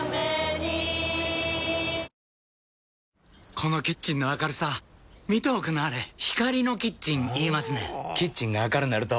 このキッチンの明るさ見ておくんなはれ光のキッチン言いますねんほぉキッチンが明るなると・・・